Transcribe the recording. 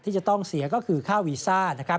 ที่จะต้องเสียก็คือค่าวีซ่า